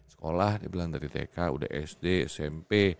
sekolah dia bilang dari tk udah sd smp